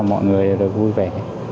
mọi người được vui vẻ